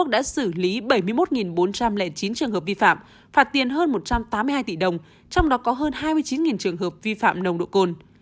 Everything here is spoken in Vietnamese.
đã xử lý bảy mươi một bốn trăm linh chín trường hợp vi phạm phạt tiền hơn một trăm tám mươi hai tỷ đồng trong đó có hơn hai mươi chín trường hợp vi phạm nồng độ cồn